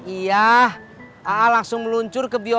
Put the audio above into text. iya aa langsung meluncur ke bios